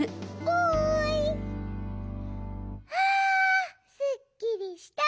あすっきりした！